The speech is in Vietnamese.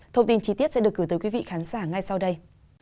thông tin chi tiết sẽ được gửi tới quý vị khán giả ngay sau đây